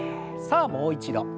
さあもう一度。